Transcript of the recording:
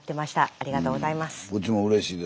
ありがとうございます。